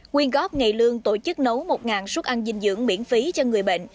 quyên góp ngày lương tổ chức nấu một suất ăn dinh dưỡng miễn phí cho người bệnh